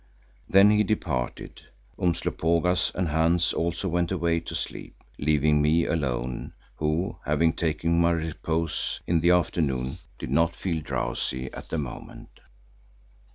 Then he departed. Umslopogaas and Hans also went away to sleep, leaving me alone who, having taken my repose in the afternoon, did not feel drowsy at the moment.